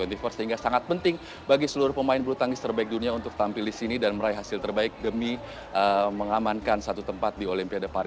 dan ini artinya bahwa seluruh pemain terbaik dunia akan tampil